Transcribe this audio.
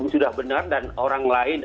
sudah benar dan orang lain